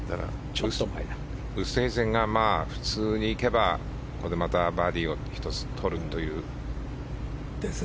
ウーストヘイゼンが普通にいけばここでまたバーディーを１つとるという。